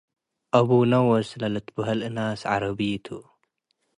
አቡነወስ ለልትበሀል እናስ ዐረቢ ቱ።